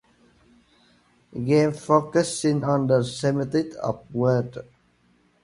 Games focusing on the semantics of words.